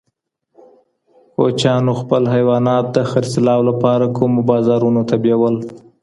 کوچیانو خپل حیوانات د خرڅلاو لپاره کومو بازارونو ته بیول؟